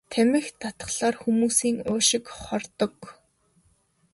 Тамхи татахлаар хүмүүсийн уушиг хордог.